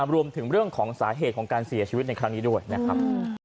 รวมถึงเรื่องของสาเหตุของการเสียชีวิตในครั้งนี้ด้วยนะครับ